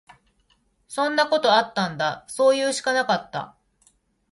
そんなことあったんだ。そういうしかなかった。